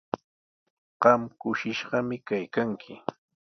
Qam kushishqami kaykanki.